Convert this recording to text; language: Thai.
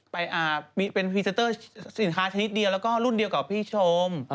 ไปเป็นพรีเซนเตอร์สินค้าชนิดเดียวแล้วก็รุ่นเดียวกับพี่ชม